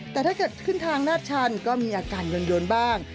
แต่ถ้าเกิดขึ้นทางลาดชันก็มีอาการยนต์บ้าง